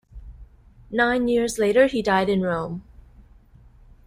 Nine years later he died in Rome.